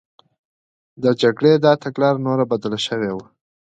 د جګړې دا تګلاره نوره بدله شوې وه